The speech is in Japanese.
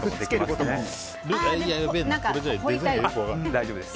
大丈夫です。